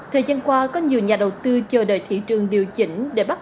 thời gian qua có nhiều nhà đầu tư chờ đợi thị trường điều chỉnh